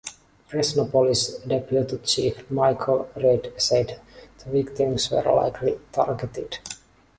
Fresno Police Deputy Chief Michael Reed said the victims were "likely targeted".